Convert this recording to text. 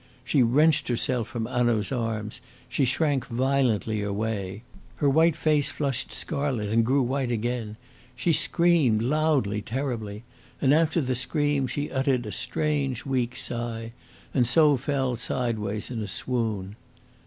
She wrenched herself from Hanaud's arms, she shrank violently away. Her white face flushed scarlet and grew white again. She screamed loudly, terribly; and after the scream she uttered a strange, weak sigh, and so fell sideways in a swoon.